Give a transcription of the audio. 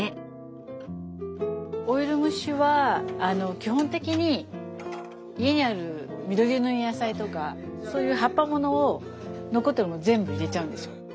オイル蒸しは基本的に家にある緑色の野菜とかそういう葉っぱものを残ってるものを全部入れちゃうんですよ。